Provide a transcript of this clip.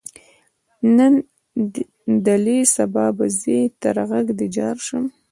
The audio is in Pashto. نن دلې سبا به ځې تر غږ دې جار شم.